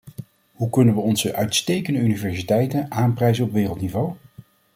Hoe kunnen we onze uitstekende universiteiten aanprijzen op wereldniveau?